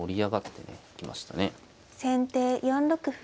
先手４六歩。